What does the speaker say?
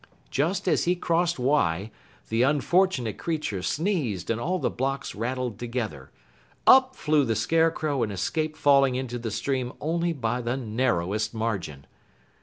Just as he reached Y, the unfortunate creature sneezed, and all the blocks rattled together. Up flew the Scarecrow and escaped falling into the stream only by the narrowest margin.